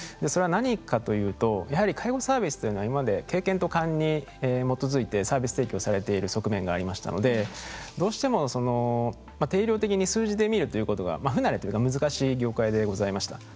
それは何かというとやはり介護サービスというものは今まで経験と勘に基づいてサービス提供されている側面がありましたのでどうしても定量的に数字で見るということが不慣れというか難しい業界でございました。